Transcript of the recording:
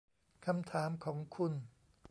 คำถามของคุณ